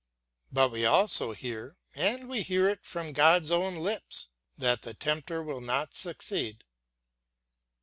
But we also hear, and we hear it from God's own lips, that the tempter will not succeed.